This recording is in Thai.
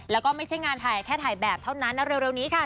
แล้วก็ไม่ใช่งานถ่ายแค่ถ่ายแบบเท่านั้นนะเร็วนี้ค่ะ